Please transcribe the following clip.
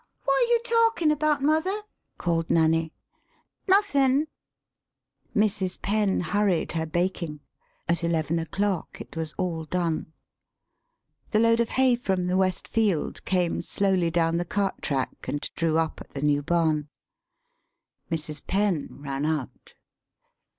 "What you talkin' about, mother?" [called Nanny.] "NothinV Mrs. Penn hurried her baking at eleven o'clock it was all done. The load of hay from the west field came slowly down the cart track, and drew up at the new barn. Mrs. Penn ran out.